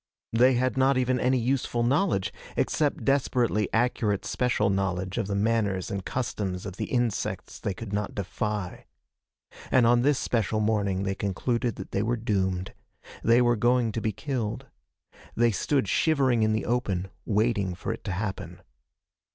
They had not even any useful knowledge, except desperately accurate special knowledge of the manners and customs of the insects they could not defy. And on this special morning they concluded that they were doomed. They were going to be killed. They stood shivering in the open, waiting for it to happen.